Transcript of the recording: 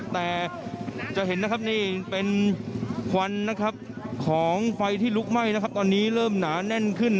แต่จะเห็นเป็นควันของไฟที่ลุกไหม้ตอนนี้เริ่มหนาแน่นขึ้น